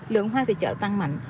lượng hoa về chợ tăng mạnh